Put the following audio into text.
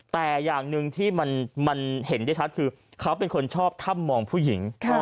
แต่อย่างหนึ่งที่มันเห็นได้ชัดคือเขาเป็นคนชอบถ้ำมองผู้หญิง